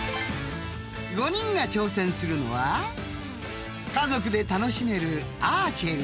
［５人が挑戦するのは家族で楽しめる］